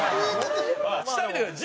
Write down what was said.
下見てください。